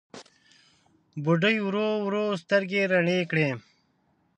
بوډۍ ورو ورو سترګې رڼې کړې.